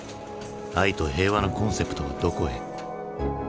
愛と平和のコンセプトはどこへ。